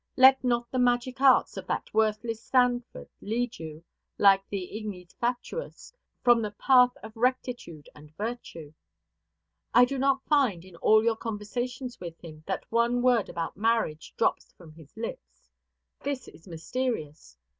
Let not the magic arts of that worthless Sanford lead you, like an ignis fatuus, from the path of rectitude and virtue. I do not find, in all your conversations with him, that one word about marriage drops from his lips. This is mysterious.